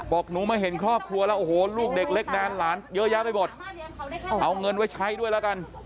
บอกหนูมาเห็นครอบครัวแล้วโอ้โหลูกเด็กเล็กแดนหลานเยอะแยะไปหมดเอาเงินไว้ใช้ด้วยแล้วกัน